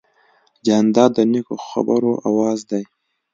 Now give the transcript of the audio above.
جانداد د نیکو خبرو آواز دی.